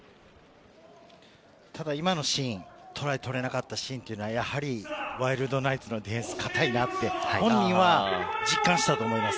ただ今のシーン、トライを取れなかったシーンはワイルドナイツのディフェンス、堅いなと本人は実感したと思います。